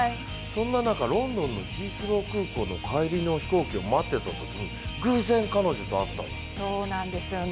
そんな中、ロンドンのヒースロー空港の帰りで待っていたときに偶然、彼女と会ったんです。